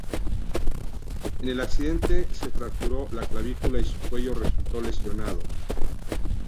En el accidente se fracturó la clavícula y su cuello resultó lesionado.